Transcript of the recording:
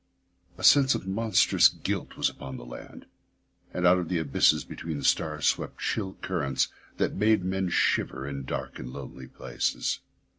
A sense of monstrous guilt was upon the land, and out of the abysses between the stars swept chill currents that made men shiver in dark and lonely places.